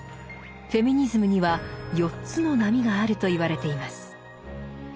フェミニズムには四つの波があると言われています。